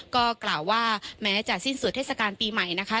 ก็กล่าวว่าแม้จะสิ้นสุดเทศกาลปีใหม่นะคะ